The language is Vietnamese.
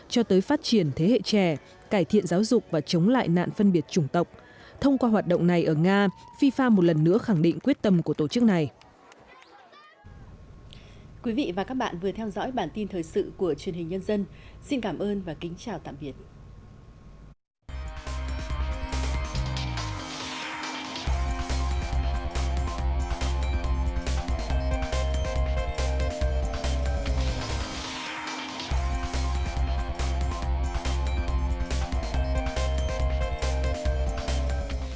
cho tới phát triển và giải quyết các vấn đề về tâm lý